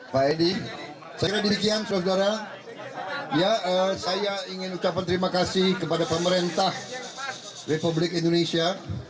pak edi saya diberikan saudara ya saya ingin ucapkan terima kasih kepada pemerintah republik indonesia